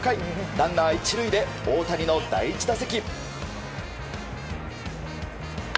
ランナー１塁で大谷の第１打席。